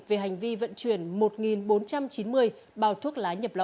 về hành vi vận chuyển một bốn trăm chín mươi bào thuốc